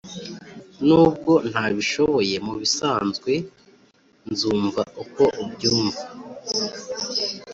nubwo ntabishoboye, mubisanzwe nzumva nkuko ubyumva.